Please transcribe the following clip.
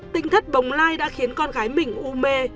tinh thất bồng lai đã khiến con gái mình u mê